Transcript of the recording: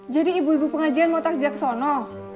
jadi ibu ibu pengajian mau tak siap kesana